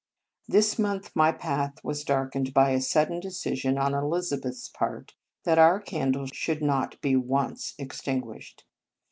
This month my path was darkened by a sudden decision on Elizabeth s part that our candle should not be once extinguished.